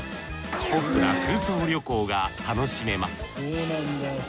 ポップな空想旅行が楽しめます